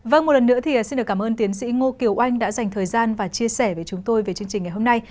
vâng một lần nữa thì xin được cảm ơn tiến sĩ ngô kiều oanh đã dành thời gian và chia sẻ với chúng tôi về chương trình ngày hôm nay